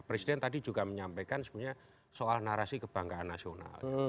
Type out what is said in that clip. presiden tadi juga menyampaikan sebenarnya soal narasi kebanggaan nasional